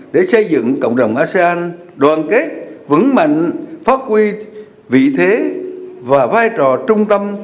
để xây dựng cộng đồng asean đoàn kết vững mạnh phát huy vị thế và vai trò trung tâm